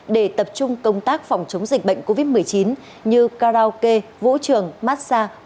để tập trung công tác phòng chống dịch bệnh covid một mươi chín như karaoke vũ trường massage